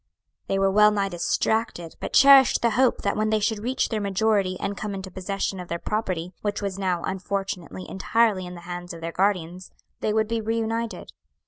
"They were well nigh distracted, but cherished the hope that when they should reach their majority and come into possession of their property, which was now unfortunately entirely in the hands of their guardians, they would be reunited.